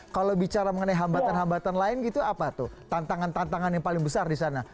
kalau bicara mengenai hambatan hambatan lain gitu apa tuh tantangan tantangan yang paling besar di sana